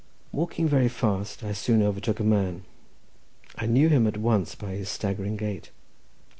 Walking very fast, I soon overtook a man. I knew him at once by his staggering gait.